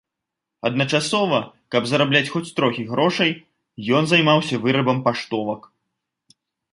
Адначасова, каб зарабляць хоць трохі грошай, ён займаўся вырабам паштовак.